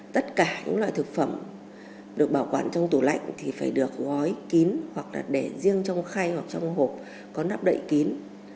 tất cả những loại thực phẩm được bảo quản trong tủ lạnh thì phải được gói kín hoặc là để riêng trong khay hoặc trong hộp có nắp đậy kín